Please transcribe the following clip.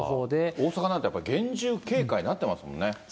大阪なんてやっぱり、厳重警戒になってますもんね。